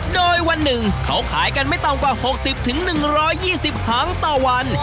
โดยวันหนึ่งเขาขายกันไม่ต่ำกว่า๖๐๑๒๐หางต่อวัน